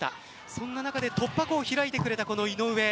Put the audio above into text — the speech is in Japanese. そんな中で突破口を開いてくれた井上。